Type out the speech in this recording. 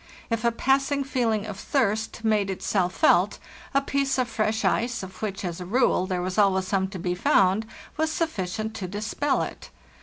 If a passing feeling of thirst made itself felt, a piece of fresh ice, of which, as a rule, there was always some to be found, was sufficient to dispel it.